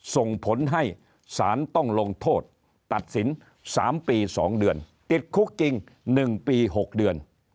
ส่งผลให้สารต้องลงโทษตัดสิน๓ปี๒เดือนติดคุกจริง๑ปี๖เดือน